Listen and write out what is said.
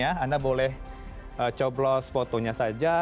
anda boleh coblos fotonya saja